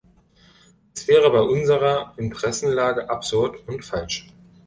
Es wäre bei unserer Interessenlage absurd und falsch.